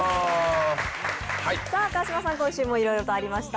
川島さん、今週もいろいろとありました。